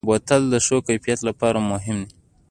بوتل د ښو کیفیت لپاره مهم وي.